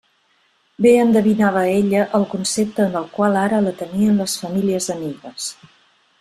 Bé endevinava ella el concepte en el qual ara la tenien les famílies amigues.